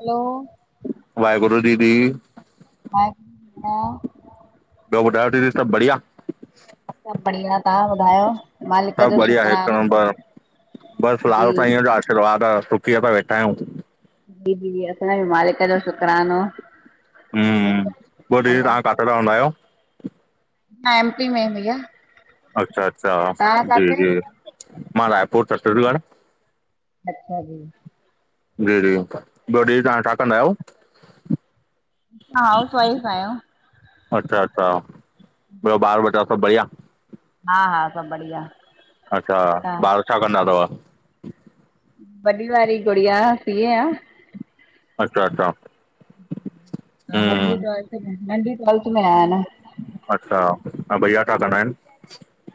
हलो! वाहेगुरु, दीदी! वाहेगुरु। ॿियो, ॿुधायो दीदी सभ बढिया? सभु बढ़िया। तव्हां ॿुधायो? मालिक सभु, जो बढ़िया हिकु शुकरानो नमबर। बसि जी लाल साईं इअ जो आशीर्वाद आहे। सुकीअ तां वेठा आहियूं। जी, जी असांज मालिक जो शुकरानो। ह्मम! पो दीदी हलो तव्हां किथे रहंदा आहियो? मां, एमपी में। भइया! अच्छा! अच्छा! जी, जी, मां रायपुर छतीसगढ़। अच्छा! जी। जी, जी, ॿियो दीदी तव्हां छा कंदा आहियो? हा! मां हॉउसेवाइफ आहियां। अच्छा! अच्छा! ॿियो ॿार, बचा सभु बढ़िया? हा! हा! सभु बढ़िया। अच्छा! तव्हां ॿार छा कंदा अथव? वॾी वारी गुड़िया सीए आ अच्छा! अच्छा! हा! नंढी, हम्म ट नंढी ट्वेल्थ में आय न। अच्छा! ऐं भैया छा कंदा आहिनि?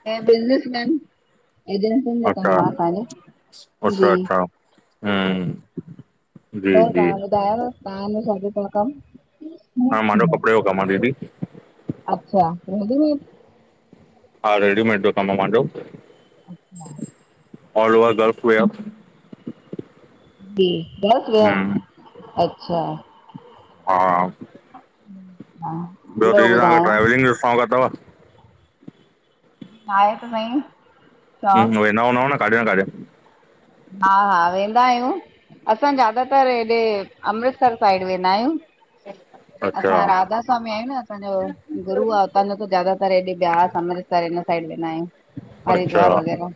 हे बिज़नस मैन। एजेंसियुनि जो अच्छा! कमु आहे असांजो जी अच्छा! अच्छा! हू। जी, जी। त ताजो छाजो तव कम? हा! मांजो कपिड़े जो कम आहे। दीदी! अच्छा रेडीमेड हा! रेडीमेड जो कम आहे मुंजो, ऑल ओवर गर्ल्स वेयर। जी बस वया हम्म अच्छा। हा। हा। ॿियो दीदी तव्हां ट्रवलिंग जो शौंक़ु अथव? आहे त सई। हम वेना हूनव न? न काढे न काढे। हा, हा वेंदा आहियूं। असां ज्यादातर हेॾे अमृतसर साइड वेंदा आहियूं। हिन [unintelligible] असा राधा स्वामी आहियूं न असांजो! गुरु आहे उतां जो त, ज्यादातर हेॾे ब्यास अमृतसर हिनन साइड वेंदा आहियूं। अच्छा हरिद्वार वग़ैरह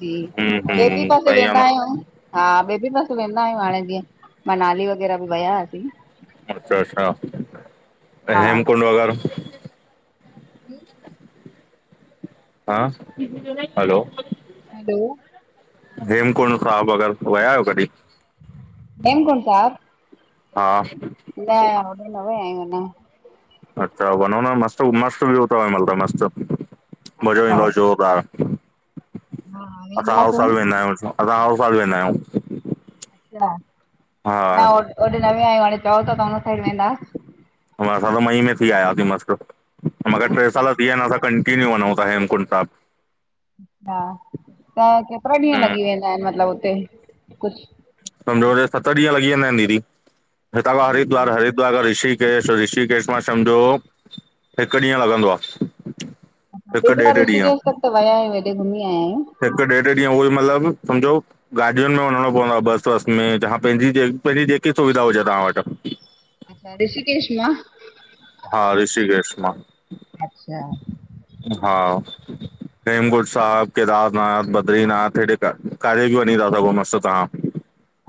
जी हम्म हम्म उते सही आ वेंदा न आयु, हा बें ॿि पासे वेंदा आहियूं। हाणे जीअं मनाली वग़ैरह बि विया हुआसीं। अच्छा अच्छा हा हेमकुंड व़ैगरह! जी। हा हलो! हलो! हेम कुंड साहब वगरि विया आहियो कॾी। हेम कुंड साहिब! हा। न उॾे न वया आहयु आना। अच्छा वञो न मस्त मस्त बि हुतव मतल मस्त मज़ो अच्छा ईंदो जो त [unintelligible] हा असां हर वेंदासूं। साल वेंदा आहियूं, असां हर साल वेंदा आहियूं। न हा हो होॾे न विया आहियूं हाणे चओ ता त हुन साइड वेंदास। असां त मईअ में थी आयासीं मस्त मगरि टे अच्छा साल थी विया आहिनि असां! की वञो था, हेमकुंड साहिब। हा त केतिरा ॾींहं हम्म लॻी वेंदा आहिनि? मतलबु हुते कुझु! सम्झो सत ॾीहं लॻी वेंदा आहिंनि दीदी। हितां खां हरिद्वार हर! ॿ अगरि ऋषिकेश, ऋषिकेश मा सम्झो हिकु ॾीहं लॻंदो आ। हिक बार ऋषिकेश तक त वयायूं हेॾे घुमी आया आहियूं। हिकु ॾेढ ॾीहं उहो ई मतिलबु सम्झो गाॾियुनि में वञणो पवंदो आहे बस। बस में, तव्हां पंहिंजी, पंहिंजी जेकी सुविधा हुॼे तव्हां वटि। अच्छा ऋषिकेश मां? हा, ऋषिकेश मा। अच्छा हा। हेमकुंड साहिब, केदारनाथ, बद्रीनाथ हेॾे किथे बि वञी था सघो मस्त तव्हां।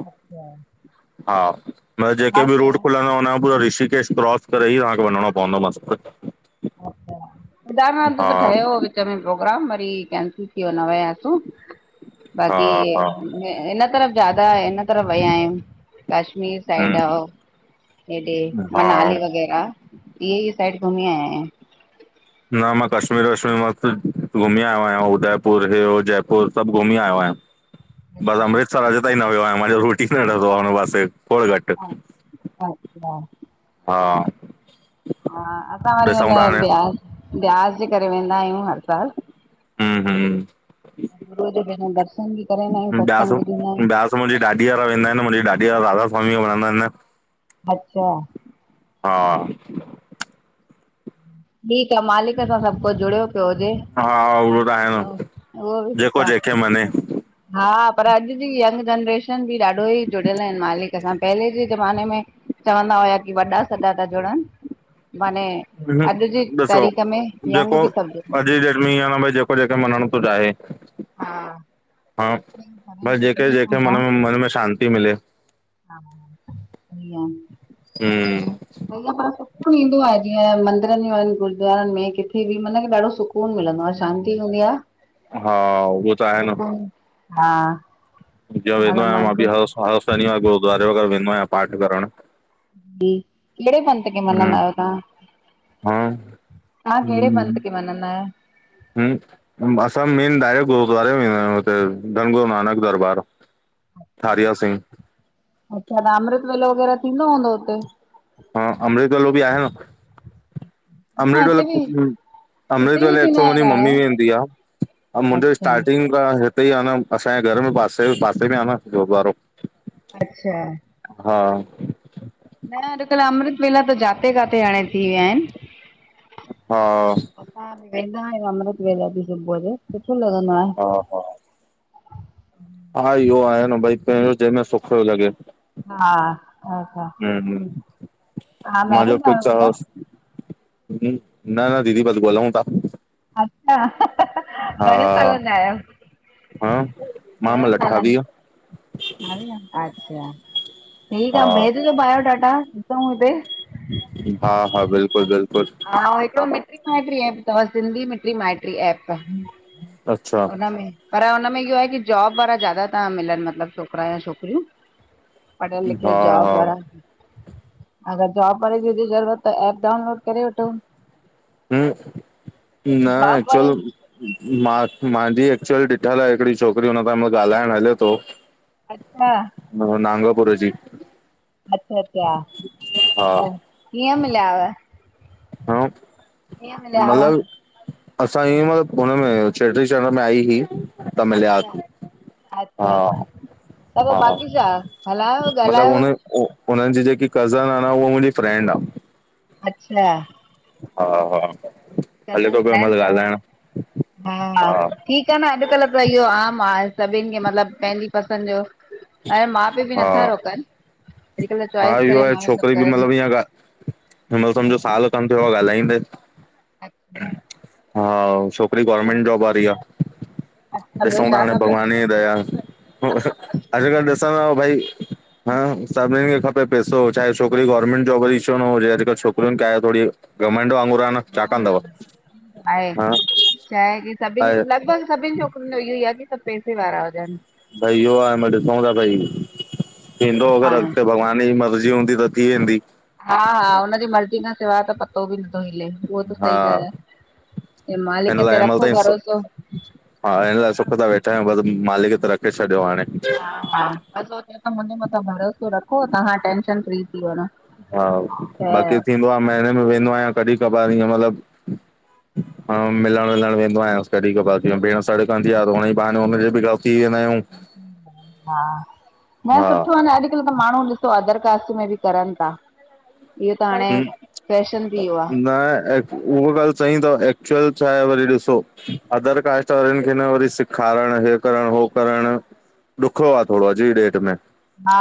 अच्छा। हा मतिलबु जेके हा बि रूट कीअं? खुलंदा हुन खा पोय रिषिकेश! क्रोस करे ई तव्हांखे वञणो पवंदो मस्त। अच्छा केदारनाथ त ठयो हो! विच में प्रोग्राम वरी कैंसिल थीवियो न वियासीं। हा बाक़ी! हा हिन तरफ़ ज्यादा हिन तरफ़ वियायूं कश्मीर। हम्म हेॾे हा मनाली वग़ैरह इहे ई साइड घुमी आया आहियूं। न मां कश्मीर, वश्मीर मस्तु घुमी आयो आहियां उदयपुर हे हो जयपुर सभु घुमी आयो आहियां। बस आहियूं। अमृतसर अॼ ता ई न वियो आ मांजो रूट ही न रहंदो आ उन पासे खोड़ घट्। अच्छा अच्छा - - हा। हा। असां वरी ॾिसूं वेंदा था हाणे आहियुं, ब्यास जे करे वेंदा आहियूं हर साल। हम हम। गुो जो पसंद [unintelligible] ब्यास, ब्यास मुंहिंजी ॾाॾीअ वारा वेंदा आहिनि मुंहिंजी ॾाॾीअ वारा राधा स्वामी वणंंंौ औरदा आहिनि! अचछा! हा! ठीकु आहे मालिक सां सभु कुझु जुड़ियो पियो हुजे! हा उहो त आहिनि उहो बि सुठो जेको आ। जेहिंखे मञे! हा पर अॼु जी यंग जनरेशन बि ॾाढो ई जुड़ियल आहिनि मालिक सां पहिरलें जे ज़माने में चवंदा हुया की वॾा सॾा था जुड़नि माने अॼु जे ॾिसो तारीख़ में जेको यंग बि सभु जुड़नि। अॼु जी डेट में इअं आहे न भाई जेको जेके मञण थो चाहे! हा हा बस सरेंडर जेके फ्री जेहिंखे छूट आ मन में मन में शांती मिले। हा। सहीं गाल्ह आ। हूं। पर सुकून ईंदो आहे जीअं मंदरनि गुरद्वारनि में किथे बि मन ॾाढो सु सुकून मिलंदो आहे शांती हूंदी आ! हा उह त आहे न! सुकून हा! ॾाढो वेंदोयां मन मां बि ख़ुश ह हर शनिवार गुरुद्वारे वग़ैरह वेंदो आहियां पाठ करणु! जी कहिड़ड़े पंत हम्म मञदा आहियो तव्हां हा तव्हां कहिड़े पंथ खे मञदा आहियो? हूं। असां मेन डायरेक्ट गुरुद्वारे में वेंदा आयो धनगुरू नानक दरबार आ। हारिया सीगं अच्छा त अमृत वेलो वग़ैरह थींदो हूंदो हुते? हा अमृत वेलो बि आहे न! न अमृत हिते बि वेलो अमृत हिते बि वेलो थींदा एक्चुल मुंहिंजी आहिनि हाणे मम्मी वेंदी आ! ह मुंहिंजो अच्छा स्टार्टिंग ख़ा हिते ई आहे न असांजे घर में पासे पासे में आहे न गुरुद्वारो! अच्छा! हा! न अॼुकल्ह अमृत वेलाजाते काथे हाणे थी विया आहिनि! हा! असां वेंदा आहियूं अमृत वेला बि सुबुह जो सुठो लगंदो आ! हा हा! हा इहो आहे न भई पहिरियों जंहिंमें सुख पियो लॻे! हा हा! हू हूं मांजो मैरिड आहियो भैया [unintelligible] न न दीदी बस ॻोलऊूं था! अच्छा घणे सालनि हा ज आहियो? हा मामल घणनि सालनि अठावीह! अच्छा ठीकु आहे हा भेजजो बायोडाटा ॾिसूं हिते! हा हा बिल्कुलु बिल्कुलु! आ ओर एको मित्री-माइट्री ऐप तव सिन्धी मित्री-माइत्री ऐप। अच्छा! पर हुनमें इहो आहे की जॉब वारा ज्यादा था मिलनि मतलबु छोकिरा या छोकिरियूं! पढ़ियल हा लिखियल हा जॉब वारा! अगर जॉब वारी जी ज़रूरत त एप डाउनलड करे वठो! हम न जॉब एचुअल! वारे मां मुंहिंजी एक्चुअली ॾिठल आहे हिकिड़ी छोकिरी हुन सां ॻाल्हाइणु हले थो! अच्छा! ह नगापुर जी। अच्छा अच्छा, हा त कीअं मिलयाव? हा मतलब असां इअं मतलब हुन में चेटीचंड में आई हुई हुतां अच्छा मिलयास अच्छा अच्छा, त पो बाक़ी छा हलायो ॻाल्हायो हुनन जी जेकी कज़न आ न उहा मुंहिंजी फ्रेंंड आ। अच्छा हा हा हले चवनि तो पयो पिया आहिनि मुंजो त ॻाल्हाइण हा ठीकु आ न अॼकल्ह त इहो आम आ सभिन खे मतलबु पंहिंजी पसंद जो एं माउ पीउ बि हा नथा रोकन। हा इहो आहे छोकरी बि मतलबु ईअ समझो साल खन थियो आ ॻाल्हाईंदे अच्छा हा छोकरी हा। गवरमेंट जॉब वारी आ, अच्छा ॿियो ॾिसूं था छा हाणे खपे भॻवान जी दया अॼकल्ह ॾिसन्दव भई हा सभिन खे खपे पेसो चाहे छोकरी गवर्नमेंट जॉब वारी छो ना हुजे अॼकल्ह छोकरियुन खे आहे थोरी घमंड बांगूर आ ना छा कंदव? आहे हा सभिन छोकरनि जो इहो ई आ की सभ पैसे वारा हुजन भई इहो आ ॾिसूं था भई थींदो अगर हा अॻते भॻवान जी मर्ज़ी हूंदी त थी वेंदी हा हा हुनजी मर्ज़ी खां सिवाये ता पत्तों पत्तों बि नथो हिले उहा त हा सही ॻाल्ह आ हिन मालिक लाइ हिनमहिल रखो ताईं भरोसो हा हिन लाइ सुख था वेठा आहियूं बस मालिक त रखे छॾियो हाणे हा हा हो चए तो मुंहिंजे मथां भरोसो रखो तहाँ टेंशन फ्री थी वञो। हा त बाक़ी थींदो आ महीने में वेंदो आहियां कॾहिं कबार इअ मतलब मिलण विलणु वेंदो आहियां कॾी कबर थी व भेण सड़ कंदी आहे हुनजे बहाने बि थी वेंदा आहियूं [unintelligible] हा न हा सुठो आहे न अॼ्कल त माण्हू ॾिसो अदर कास्ट में बि करन था। इहो त हाणे हम फैशन थी वियो आ न उहा ॻाल्ह सई तव एक्चुअल छा आहे वरी ॾिसो अदर कास्ट वारिन खे न वरी सिखारण हे करण हो करण ॾुखयो आ थोरो अॼ जी डेट में हा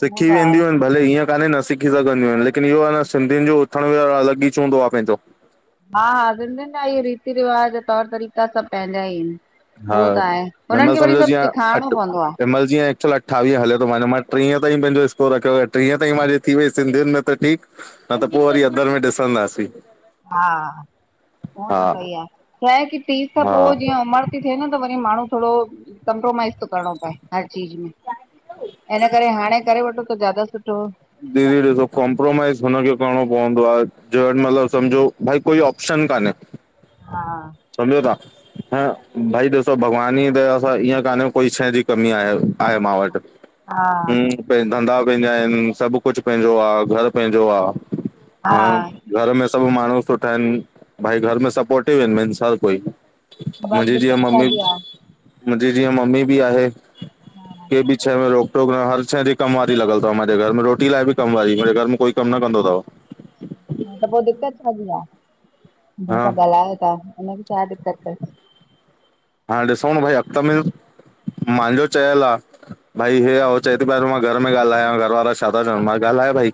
उहो सिखी त आहे वेंदयूं आहिन भले ईअं कान्हे न सिखी सघंदियूं आहिन लेकिन इहो आ न सिंधियुन जो उथण बेयण अलॻ ई च हूंदो आ पंहिंजो हा हा सिंधियुन जा इहे रीति रिवाज तौर तरीक़ा सभ पंहिंजा ई आहिन हा हिनमल समझो जीअं सेखारिणो अठ पवंदो आ हिनमल जीअं फिलहाल अठावीह हले थो मे मां टीह ताईं पंहिंजो् स्कोर रखियो टीह ताईं मुंहिंजी थी वई सिधियुनि में त ठीक न त पो वरी अदर में ॾिसंदासीं। हा, उहो हा त सही आ। छाहे की तीस खां हा पो जीअं उमर नथी थिए न त वरी माण्हू थोरो कंप्रोमाइज़ थो करणो पए हर चीज़ में, ईन करे हाणे करे वठो त ज्यादा सुठो दीदी ॾिसो कोमप्रोमाइज़ हुनखे करनो पवंदो आ जे वट समझो भई कोई ऑप्शन कान्हे हा समझो ता? हा भई ॾिसो भॻवान जी दया सा ईअं कान्हे कोई छे जी कमी आहे मां वट हा हम धंधा पंहिंजा आहिनि, सभु कुझ पंहिंजो आ, घर पंहिंजो आ। हा। घर में सभ माण्हू सुठा आहिन भाई घर में सपोर्टिव आहिनि। मैन हर कोई बस मुंहिंजी जीअं दिक़त मम्मी छाजी आ मुंहिंजी जीअं मम्मी बि आहे हा क बि कोई छे में रोक टोक हर छे जी कम वारी लॻल अथव मुंहिंजे घर में रोटी लाइ बि कम वारी मुंहिंजे घर में कोई कम न कंदो अथव हा त पोइ दिक़त छाजी आहे हा जंहिंसां ॻाल्हायो था हुनखे छा दिक़त तस् हा ॾिसो न भई अ तम। मुंहिंजो चयल आहे भई हे आहे चए थी प घर में ॻाल्हायां घर वारा छा था चवनि, मां ॻाल्हाए भाई।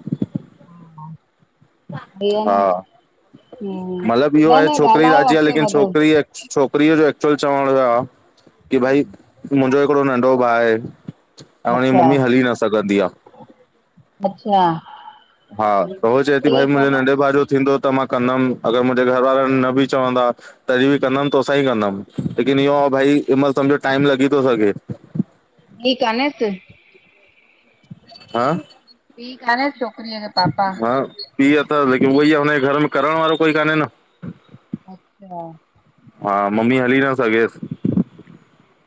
हा। हा, हम्म मलब इहो न आहे न छोकिरी ॻाल्हायो राजी आ अॻिते लेकिन वधो छोकिरी छोकिरीअ जो एक्चुअल चवण इहो आ की भई मुंहिंजो हिकिड़ो नंढो भाउ आहे ऐं उनजी अच्छा मम्मी हली न सघंदी आ। अच्छा। हा, त हुअ चए थी पी भई मुंहिंजे कोनस नंढे भाउ जो थींदो त मां कंदमि। अगरि मुंहिंजे घर वारनि न बि चवंदा तॾीं बि कंदमि तोसां ई कंदमि। लेकिन इहो आ भई, हिन महिल समुझो टाइम लॻी थो सघे। ठीक आ न हित हा? पी कानेस छो? हा, पी अथस लेकिन उह ई आ हुनजे घर में करण वारो कोई कान्हे न। अच्छा। हा, मम्मी हली न सघेसि।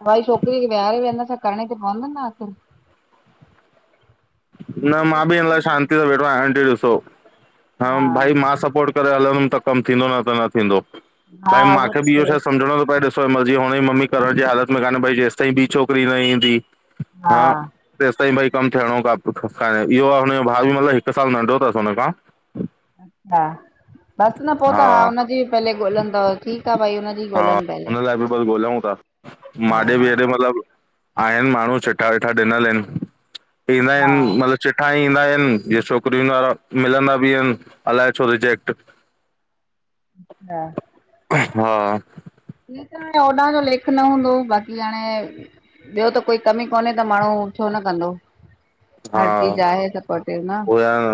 भई छोकिरीअ खे विहारे विहंदा छा करणी त पवंद न आखिर? न छोकिरो मां बि केतिरो हिन लाइ नंढो शांतीअ सां वेठो आहियां, आंटी ॾिसो, हा हं भाई मां सपोर्ट करे हलंदुम त कम थींदो न त न थींदो। हा भाई उहो माखे त बि इहो छा सही समझणो तो प‌ए ॾिस मर्जी हुन जी मम्मी करण जी हालत में कान भई जेसि ताईं ॿी छोकिरी न ईंदी, हा तेसि ताईं भाई कमु थियणो क इहो आहे हुनजो भाउ बि मतलबु हिकु साल नंढो अथसि हुनखां। हा। बसि न पोइ हा त आ हुनजी पहले ॻोल्हनि त ठीकु आहे भई हुनजी हा ॻोल्हनिे पहले हुन लाइ बि बसि ॻोल्हऊं था हा माॾे हा बि हेॾे मतलबु आहिनि माण्हू चिठा विठा ॾिनल आहिनि हा इं मतलब चिठा ईंदा आहिनि, जीअं छोकिरियुनि वारा मिलंदा बि आहिनि, अलाए छो रिजेक्ट अच्छा हा। ठीक आ हाणे होॾां जो लेख न हूंदो, बाक़ी हाणे ॿियो त कोई कमी कोन्हे त माण्हू छो न कंदो। हर हा चीज आहे सपोर्टिव न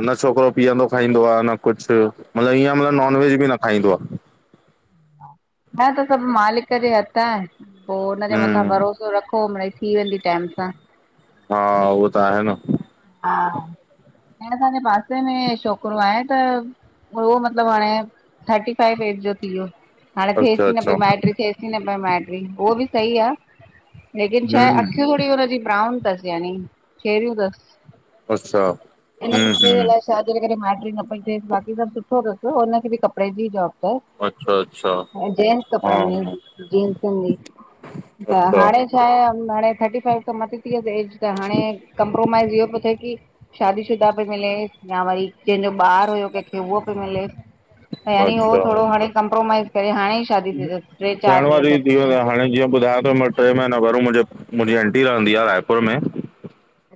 न छोकिरो पीअंदो खाईंदो आ न कुछ मतिलबु ईअं मतिलबु हा नॉन वेज बि न खाईंदो आ। न त सभु मालिक जे हथ आहे पोइ हुनजे मथां हम्म भरोसो रखो मिड़ेई थी वेंदी टैम सां। हा, उहो त आहे न हा। इएं असांजे पासे में छोकिरो आहे त उहो मतलबु, हाणे थर्टी फाइव एज जो थी वियो। हाणे थिएस अच्छा ई न अच्छा पई माइटी, थिएस ई न पई माइटी उहो बि सही आ। लेकिन छाहे हम्म अखियूं थोरी हुनजी ब्राउन थसि, यानी शेरियूं थसि। अच्छा। इन जे हम्म करे हम्म अलाए छाजे करे? माइट्री न पई थियेस बाक़ी सभ सुठो अथस हुनखे बी कपड़े जी जॉब हा, अच्छा अच्छा अ‌ऊं जेन्स हा कपड़न जी, जींसुन जी। त अच्छा हाणे छाहे? हाणे थर्टी फाइफ खां मथे थी वियस एज त हाणे कंप्रोमाइज़ इहो पियो थे की शादी शुदा पई मिले, या वरी जेंजो ॿार हुयो केंखे उहो पियो मिले। ऐं हाणे हो अच्छा थोड़ो हाणे कंप्रोमाइज़ करे हाणे ई शादी थी तस ट्रे थियण चार ॾींहं वारी थी थियस। वियो व्यांहु हाणे, जीअं ॿुधायांवतो ॿ टे महीना पेहरियूं मुंजे, मुंजी आंटी रहंदी आ रायपुर में।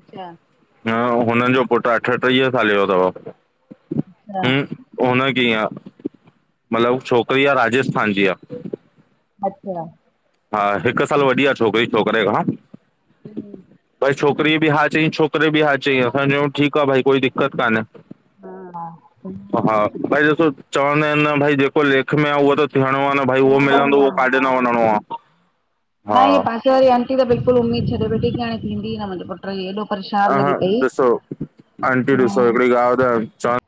अच्छा न, हुनन जो पुट्र अठटीह साले जो तव अच्छा हुं हुन कय‌ईं हा, मतलब हू छोकरी आ राजस्थान जी आ। अच्छा, हा, हिक साल वॾी आ छोकिरी, छोकरे खां। हम भई, छोकिरीअ बी हा चयईं, छोकरे बी हा चयईं, असां चयो ठीकु आ भई, कोई दिक़त कान्हे। हा, हा हा भई, ॾिसो चवंदा आहिन न भई जेको लेख में आ उहो त थियणो आ न। भई, उहो मिलंदो, उहो काॾे हा न वञिणो आ। न इईय पासे वारी आंटी त बिल्कुल उमीद छॾे वेठी, कि हाणे थींदी न मुंजे पुट जी। पर हेॾो परेशान लॻी पई ॾिसो आंटी ॾिसो हूं हिकिड़ी ॻाल्हि ॿुधायां